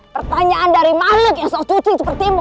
pertanyaan dari makhluk yang seocusi seperti kamu